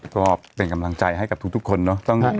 ก็เป็นกำลังใจให้กับทุกคนเนอะ